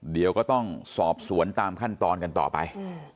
เดี๋ยวก็ต้องสอบสวนตามขั้นตอนกันต่อไป